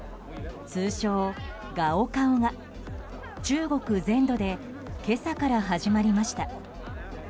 通称ガオカオが、中国全土で今朝から始まりました。